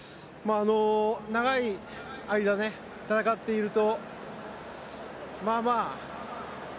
長い間、戦っているとまあまあ。